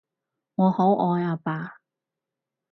我好愛阿爸